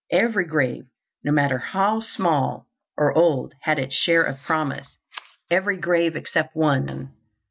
Every grave, no matter how small or old, had its share of promise—every grave except one.